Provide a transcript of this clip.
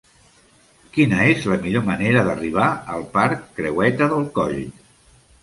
Quina és la millor manera d'arribar al parc Creueta del Coll?